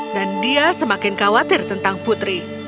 dan dia semakin khawatir tentang putri